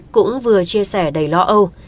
cũng vừa chia sẻ đầy lo âu